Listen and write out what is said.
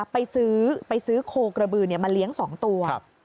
ไปซื้อโคกระบือมาเลี้ยงสองตัว